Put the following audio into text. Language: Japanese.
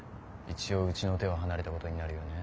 一応うちの手は離れたことになるよね。